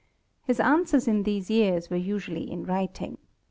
His answers in these years were usually in writing.